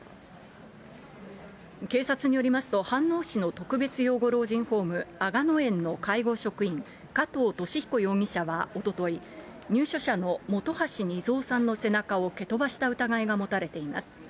警察によりますと、飯能市の特別養護老人ホーム、吾野園の介護職員、加藤としひこ容疑者はおととい、入所者の本橋二三さんの背中を蹴飛ばした疑いが持たれています。